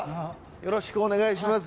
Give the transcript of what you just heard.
よろしくお願いします。